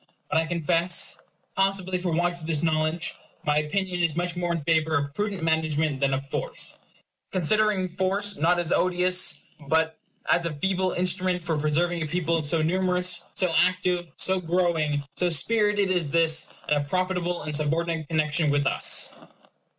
But I confess, possibly for want of this knowledge, my opinion is much more in favor of prudent management than of force; considering force not as an odious, but a feeble instrument for preserving a people so numerous, so active, so growing, so spirited as this, in a profitable and subordinate connection with us.